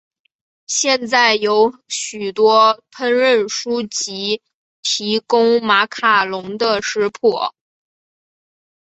现在有许多烹饪书籍提供马卡龙的食谱。